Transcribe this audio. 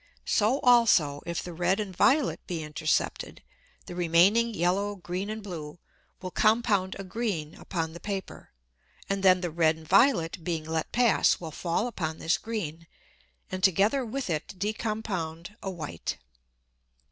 So also if the red and violet be intercepted, the remaining yellow, green and blue, will compound a green upon the Paper, and then the red and violet being let pass will fall upon this green, and together with it decompound a white.